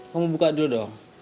kamu buka dulu dong